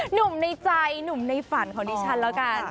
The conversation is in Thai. หนุ่มในใจหนุ่มในฝันของที่ฉันแล้วกัน